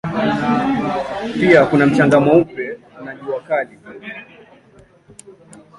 Pia kuna mchanga mweupe na jua kali.